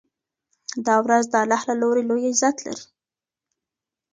دا ورځ د الله له لوري لوی عزت لري.